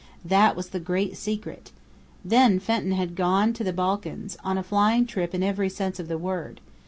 That was the great secret! Then Fenton had gone to the Balkans, on a flying trip in every sense of the word.